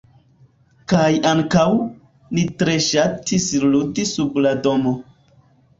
Kaj ankaŭ, ni tre ŝatis ludi sub la domo.